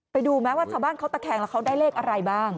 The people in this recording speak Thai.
ไปดูไหมว่าชาวบ้านเขาตะแคงแล้วเขาได้เลขอะไรบ้าง